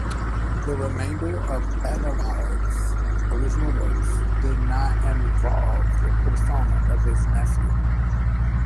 The remainder of Adelard's original works did not involve the persona of his nephew.